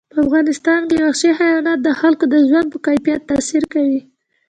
په افغانستان کې وحشي حیوانات د خلکو د ژوند په کیفیت تاثیر کوي.